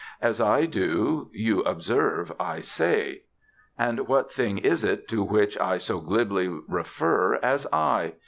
As I do, you observe, I say! and what thing is it to which I so glibly refer as I?